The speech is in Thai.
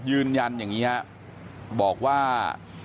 ยืนยันอย่างนี้ครับบอกว่า